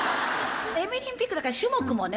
エミリンピックだから種目もね